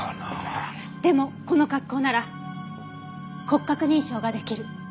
でもこの格好なら骨格認証が出来る。